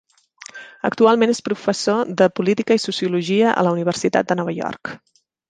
Actualment és professor de política i sociologia a la Universitat de Nova York.